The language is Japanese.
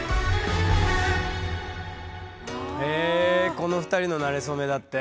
この２人のなれそめだって。